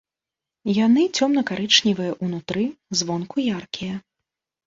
Яны цёмна-карычневыя ўнутры, звонку яркія.